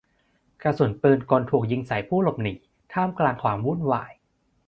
กระสุนปืนกลถูกยิงใส่ผู้หลบหนีท่ามกลางความวุ่นวาย